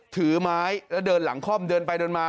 ถือไม้แล้วเดินหลังคล่อมเดินไปเดินมา